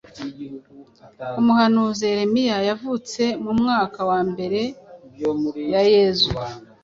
Umuhanuzi Yeremiya yavutse mu mwaka mbere ya Yezu.